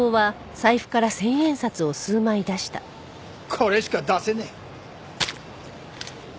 これしか出せねえ。